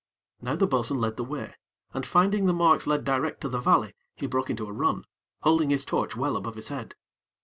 Now the bo'sun led the way, and, finding the marks led direct to the valley, he broke into a run, holding his torch well above his head.